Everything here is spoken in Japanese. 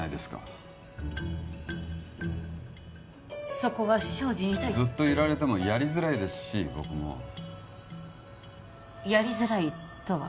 そこは精進いたずっといられてもやりづらいですし僕もやりづらいとは？